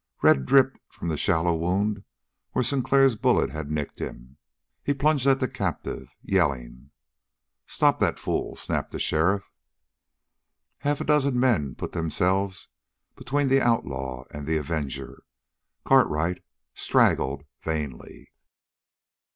Red dripped from the shallow wound where Sinclair's bullet had nicked him. He plunged at the captive, yelling. "Stop that fool!" snapped the sheriff. Half a dozen men put themselves between the outlaw and the avenger. Cartwright straggled vainly.